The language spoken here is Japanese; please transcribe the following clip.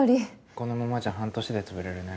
このままじゃ半年で潰れるね。